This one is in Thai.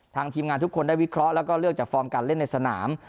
ทีมงานทุกคนได้วิเคราะห์แล้วก็เลือกจากฟอร์มการเล่นในสนาม